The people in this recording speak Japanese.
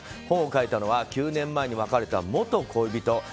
本を書いたのは９年前に別れた元恋人。